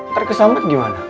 ntar kesampet gimana